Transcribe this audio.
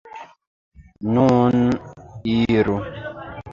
Nun iru!